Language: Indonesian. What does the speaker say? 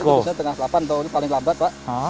kalau berusaha tengah delapan paling lambat pak